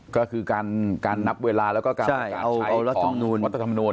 ก็คือการนับเวลาแล้วก็การใช้ของวัตถำนวณ